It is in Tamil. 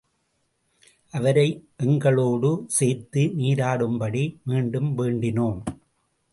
அவரை எங்களோடு சேர்ந்து நீராடும்படி மீண்டும் வேண்டினோம்.